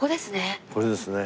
ここですね。